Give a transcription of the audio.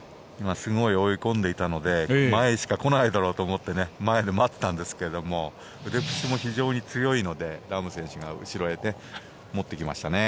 すごい追い込んでいたので前しか来ないだろうと思って前で待ってたんですけど腕っぷしも非常に強いのでラム選手が後ろへ持っていきましたね。